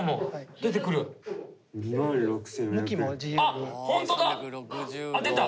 出た！